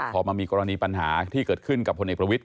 พอมันมีกรณีปัญหาที่เกิดขึ้นกับพลเอกประวิทย